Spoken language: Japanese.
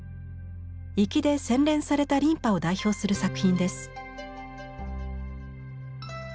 粋で洗練された琳派を代表する作品です。